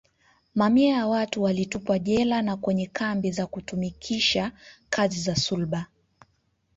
Mamia ya watu walitupwa jela na kwenye kambi za kutumikisha kazi za sulba